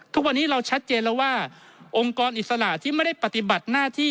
ทุกวันนี้เราชัดเจนแล้วว่าองค์กรอิสระที่ไม่ได้ปฏิบัติหน้าที่